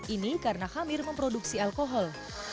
ini karena hamir memproduksi alkohol